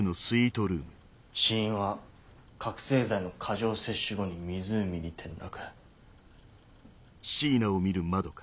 死因は覚醒剤の過剰摂取後に湖に転落。